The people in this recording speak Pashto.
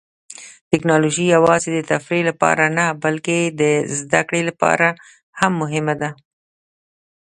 ټیکنالوژي یوازې د تفریح لپاره نه، بلکې د زده کړې لپاره هم مهمه ده.